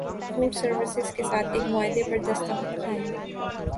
food services کے ساتھ ایک معاہدے پر دستخط کیے ہیں